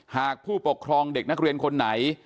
หากผู้ปกครองเด็กนักเรียนคนไหน